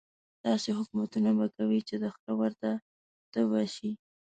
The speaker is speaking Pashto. داسې حکمونه به کوي چې د خره ورته تبه شي.